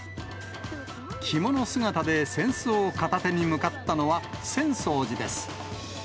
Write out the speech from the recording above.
着物姿で扇子を片手に向かったのは、浅草寺です。